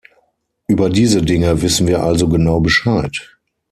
Über diese Dinge wissen wir also genau Bescheid.